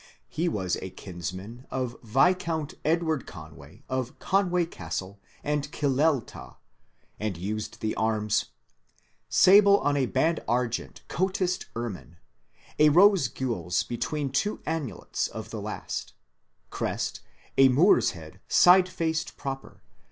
He was a kinsman of Viscount Edward Conway of Conway Castle and Killeltah, and used the arms : Scihle on a band argent cotised erminSj a rose gules between two annvlete of the last Crest : A Moor's head sidefaced ppr.